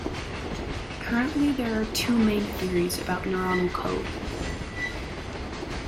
Currently, there are two main theories about neuronal code.